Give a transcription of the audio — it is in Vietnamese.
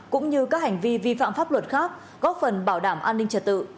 cũng như các hành vi vi phạm pháp luật khác góp phần bảo đảm an ninh trật tự